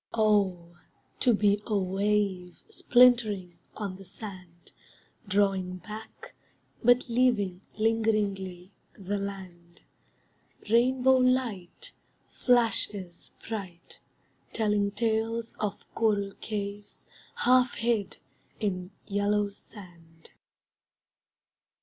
Oh! To be a wave Splintering on the sand, Drawing back, but leaving Lingeringly the land. Rainbow light Flashes bright Telling tales of coral caves half hid in yellow sand.